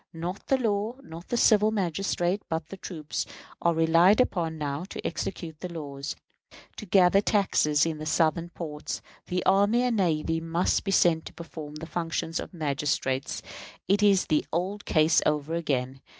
Not the law, not the civil magistrate, but troops, are relied upon now to execute the laws. To gather taxes in the Southern ports, the army and navy must be sent to perform the functions of magistrates. It is the old case over again.